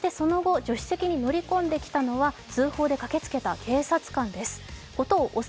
その後、助手席に乗り込んできたのは通報で駆けつけてきた警察官です。